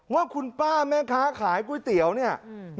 ว่าคุณป้าแม่ค้าขายก๋วยเตี๋ยวเนี่ย